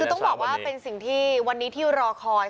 คือต้องบอกว่าเป็นสิ่งที่วันนี้ที่รอคอย